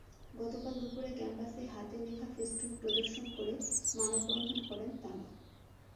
গতকাল দুপুরে ক্যাম্পাসে হাতে লেখা ফেস্টুন প্রদর্শন করে মানববন্ধন করেন তাঁরা।